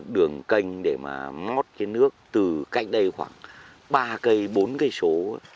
đường kênh để mà ngót cái nước từ cạnh đây khoảng ba cây bốn cây số